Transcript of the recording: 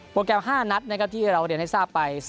โปรแกรม๕นัดที่เราเรียนให้ทราบไป